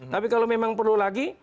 tapi kalau memang perlu lagi